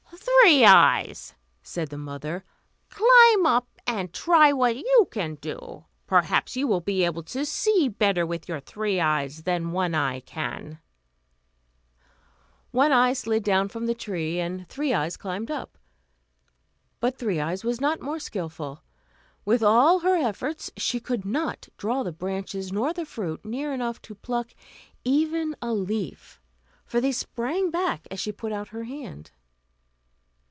"Three Eyes," said the mother, "climb up, and try what you can do; perhaps you will be able to see better with your three eyes than One Eye can." One Eye slid down from the tree, and Three Eyes climbed up. But Three Eyes was not more skilful; with all her efforts she could not draw the branches, nor the fruit, near enough to pluck even a leaf, for they sprang back as she put out her hand.